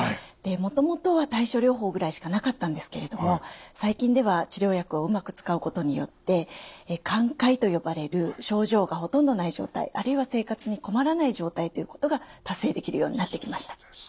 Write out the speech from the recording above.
もともとは対症療法ぐらいしかなかったんですけれども最近では治療薬をうまく使うことによって寛解と呼ばれる症状がほとんどない状態あるいは生活に困らない状態ということが達成できるようになってきました。